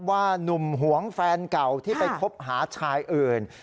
หนุ่มหวงแฟนเก่าที่ไปคบหาชายอื่น